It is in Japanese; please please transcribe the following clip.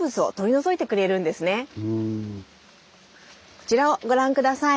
こちらをご覧下さい。